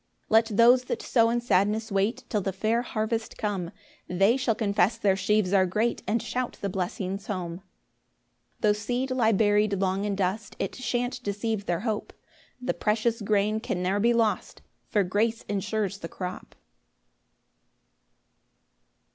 5 Let those that sow in sadness wait Till the fair harvest come, They shall confess their sheaves are great, And shout the blessings home. 6 Tho' seed lie bury'd long in dust, It shan't deceive their hope; The precious grain can ne'er be lost, For grace insures the crop.